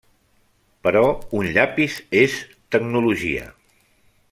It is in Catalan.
Però un llapis és tecnologia.